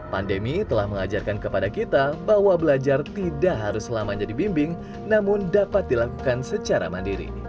pandemi telah mengajarkan kepada kita bahwa belajar tidak harus selamanya dibimbing namun dapat dilakukan secara mandiri